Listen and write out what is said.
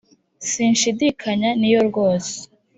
Sinshidikanya ni yo rwose,